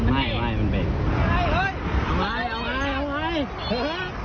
แล้วเมื่อกี้แลนด์มันอยู่ตรงเรา